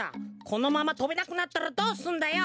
このままとべなくなったらどうすんだよ。